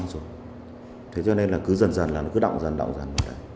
người ta có cái túi quăng xuống thế cho nên là cứ dần dần là nó cứ đọng dần đọng dần